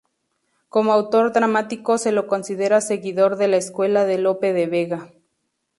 Como autor dramático se lo considera seguidor de la escuela de Lope de Vega.